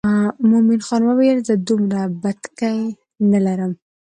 مومن خان وویل زه دومره بتکۍ نه لرم.